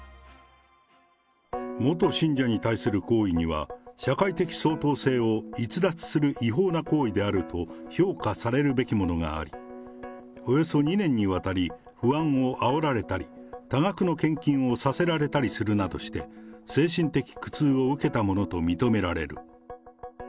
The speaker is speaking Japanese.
元信者に対する行為には、社会的相当性を逸脱する違法な行為であると評価されるべきものがあり、およそ２年にわたり、不安をあおられたり、多額の献金をさせられたりするなどして、精神的苦痛を受けたものと認められる。